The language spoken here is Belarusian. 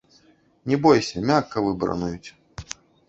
Не бойся, мякка выбарануюць.